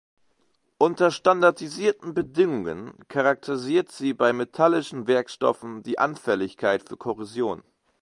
Unter standardisierten Bedingungen charakterisiert sie bei metallischen Werkstoffen die Anfälligkeit für Korrosion.